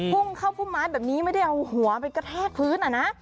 พุ่งเข้าพุ่มไม้แบบนี้ไม่ได้เอาหัวไปกระแทกพื้นอ่ะนะ